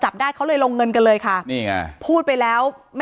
อ๋อเจ้าสีสุข่าวของสิ้นพอได้ด้วย